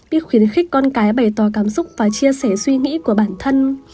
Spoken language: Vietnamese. biết khuyến khích con cái bày tỏ cảm xúc và chia sẻ suy nghĩ của bản thân